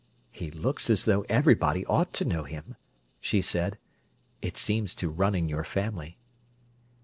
"He looks as though everybody ought to know him," she said. "It seems to run in your family."